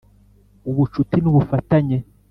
ubucuti n’ubufatanye